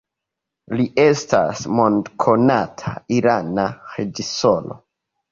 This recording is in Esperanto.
Li estas mondkonata irana reĝisoro.